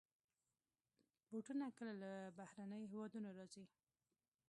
بوټونه کله له بهرنيو هېوادونو راځي.